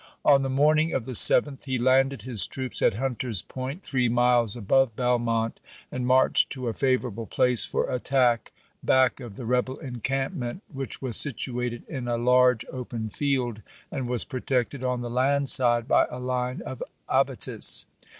On the morning of the 7th he landed his troops at Hunter's Point, three miles above Belmont, and marched to a favorable place for attack back of the rebel encampment, which was situated in a large open field and was pro tected on the land side by a line of abatis.